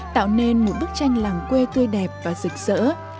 tạo nên một bức tranh làng quê tươi đẹp và rực rỡ